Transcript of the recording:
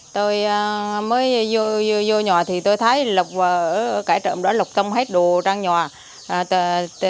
tôi mới vô nhà thì tôi thấy lục ở cái trộm đó lục xong hết đồ trong nhà